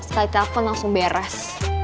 tari telpon langsung beres